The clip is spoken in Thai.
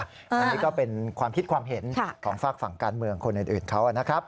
อันนี้ก็เป็นความคิดความเห็นของฝากฝั่งการเมืองคนอื่นเขานะครับ